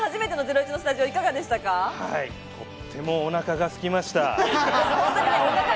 とってもお腹がすきました。